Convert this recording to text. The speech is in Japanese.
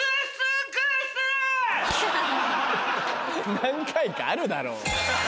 何回かあるだろう。